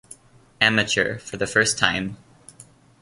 Amateur for the first time.